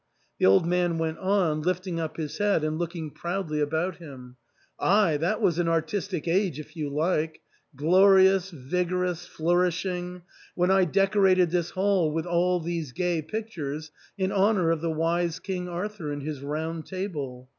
The old man went on, lifting up his head and looking proudly about him, '*Ay, that was an artistic age if you like — glorious, vigorous, flourishing, when I decorated this hall with all these gay pictures in honour of the wise King Arthur and his Round Table.